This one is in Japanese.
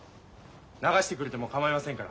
流してくれても構いませんから。